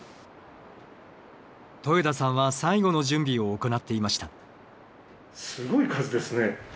戸枝さんは最後の準備を行っていました。